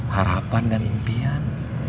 harapan dan impian